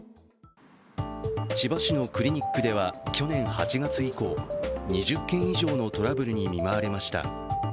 千葉市のクリニックでは去年８月以降、２０件以上のトラブルに見舞われました。